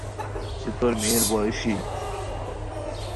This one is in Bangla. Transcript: সে তোর মেয়ের বয়সী?